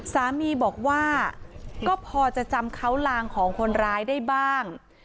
สามีบอกว่าก็พอจะจำเขาลางของคนร้ายได้บ้าง